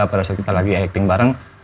pada saat kita lagi acting bareng